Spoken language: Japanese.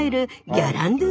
ギャランドゥ。